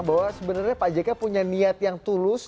bahwa sebenarnya pak jk punya niat yang tulus